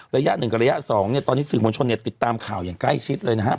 ระยะหนึ่งกับระยะสองตอนนี้สื่อมวลชนติดตามข่าวอย่างใกล้ชิดเลยนะครับ